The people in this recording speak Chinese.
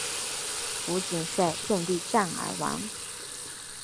吴瑾率众力战而亡。